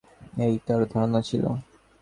এই তার ধারণা ছিল?